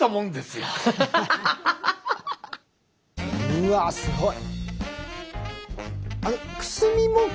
うわすごい。